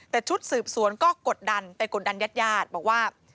แต่ชุดสืบสวนก็กดดันไปกดดันญาติญาติบอกว่า